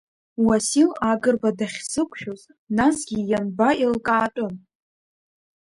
Уасил Агырба дахьсықәшәоз, насгьы ианба еилкаатәын.